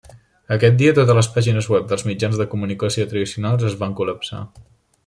Aquest dia totes les pàgines web dels mitjans de comunicació tradicionals es van col·lapsar.